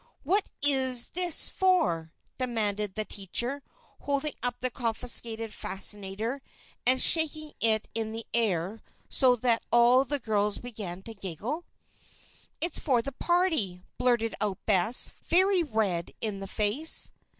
"What iss this for?" demanded the teacher, holding up the confiscated "fascinator" and shaking it in the air so that all the girls began to giggle. "It's for the party," blurted out Bess, very red in the face.